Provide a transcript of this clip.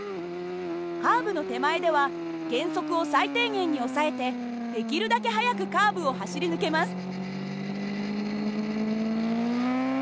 カーブの手前では減速を最低限に抑えてできるだけ速くカーブを走り抜けます。